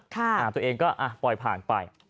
ตัวเองก็ปล่อยผ่านไป